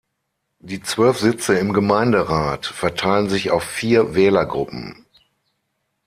Die zwölf Sitze im Gemeinderat verteilen sich auf vier Wählergruppen.